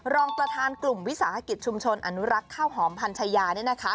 รองประธานกลุ่มวิสาหกิจชุมชนอนุรักษ์ข้าวหอมพันชายา